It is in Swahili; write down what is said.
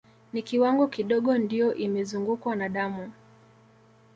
Na kiwango kidogo ndio imezungukwa na damu